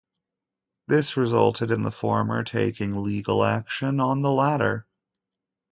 This resulted in the former taking legal action on the latter.